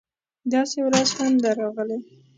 داسې ورځ هم ده راغلې